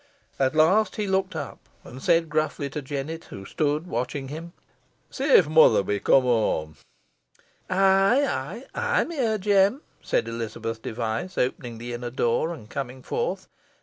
At last he looked up, and said gruffly to Jennet, who stood watching him, "See if mother be come whoam?" "Eigh, eigh, ey'm here, Jem," said Elizabeth Device, opening the inner door and coming forth.